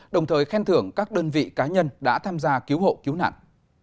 đồng thời khen thưởng các đơn vị cá nhân đã tham gia cứu hộ cứu nạn